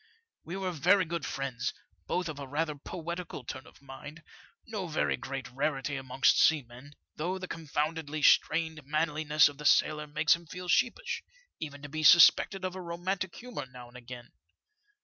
We were very good friends, both of a rather poetical turn of mind, no very great rarity amongst seamen, though the confoundedly strained" manliness of the sailor makes him feel sheepish, even to be suspected of a romantic humour now and again.